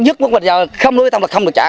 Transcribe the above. dứt bóp bây giờ không đối tâm là không được trả